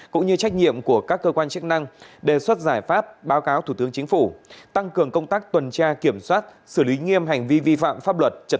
cũng như trách nhiệm của các cơ quan chức năng đề xuất giải pháp